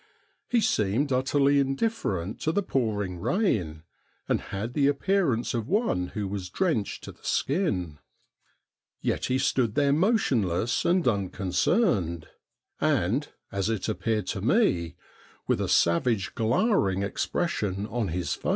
He seemed utterly indifferent to the pouring rain, and had the appearance of one who was drenched to the skin. Yet he stood there motionless and unconcerned, and, as it appeared to me, with a savage glowering expression ■on his face.